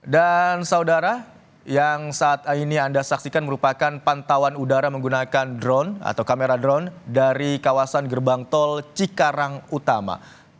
saudara yang saat ini anda saksikan merupakan pantauan udara menggunakan drone atau kamera drone dari kawasan gerbang tol cikarang utama